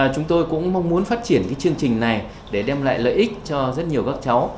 chúng tôi cũng mong muốn phát triển chương trình này để đem lại lợi ích cho rất nhiều các cháu